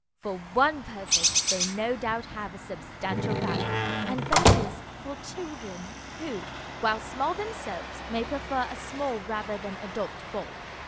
For one purpose they no doubt have a substantial value, and that is for children, who, while small themselves, may prefer a small rather than an adult bulb.